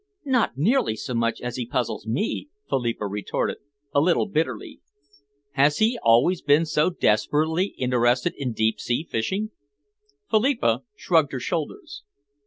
"Not nearly so much as he puzzles me," Philippa retorted, a little bitterly. "Has he always been so desperately interested in deep sea fishing?" Philippa shrugged her shoulders.